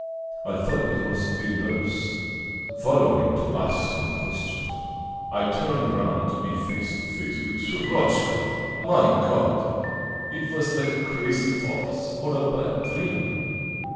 I thought it was the nurse, following to ask some question. I turned round to be face to face with Shurochka! My God! It was like a crazy farce or a bad dream!"